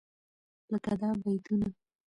لکه دا بيتونه: